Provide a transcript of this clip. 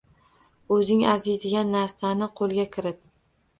O’zing arziydigan narsani qo’lga kirit!